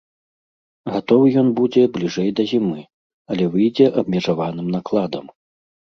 Гатовы ён будзе бліжэй да зімы, але выйдзе абмежаваным накладам.